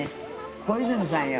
小泉さんや。